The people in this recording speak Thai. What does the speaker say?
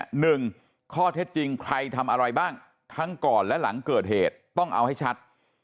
หนึ่งข้อเท็จจริงใครทำอะไรบ้างทั้งก่อนและหลังเกิดเหตุต้องเอาให้ชัด